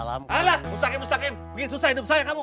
alah mustahi mustaqim bikin susah hidup saya kamu